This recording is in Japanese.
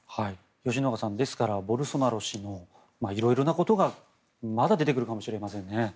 吉永さん、ですからボルソナロ氏の色々なことがまだ出てくるかもしれませんね。